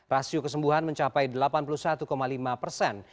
rasio kesembuhan mencapai delapan puluh satu lima persen